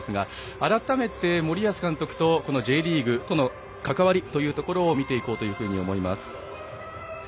改めて森保監督とＪリーグとの関わりを見ていこうと思います。